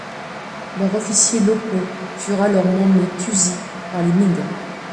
Leurs officiers locaux furent alors nommés tusi par les Ming.